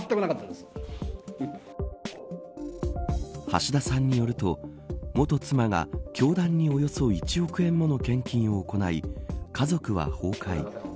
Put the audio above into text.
橋田さんによると元妻が教団におよそ１億円もの献金を行い家族は崩壊。